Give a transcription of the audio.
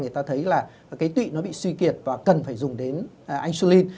người ta thấy là cái tụy nó bị suy kiệt và cần phải dùng đến insulin